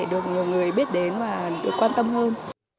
được nhiều người biết đến và được quan tâm hơn